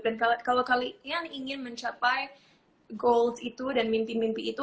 dan kalau kalian ingin mencapai tujuan itu dan mimpi mimpi itu